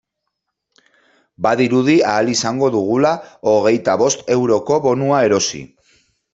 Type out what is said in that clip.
Badirudi ahal izango dugula hogeita bost euroko bonua erosi.